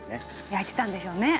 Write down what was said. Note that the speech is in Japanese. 焼いてたんでしょうね。